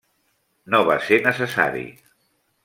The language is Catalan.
No va ser necessari.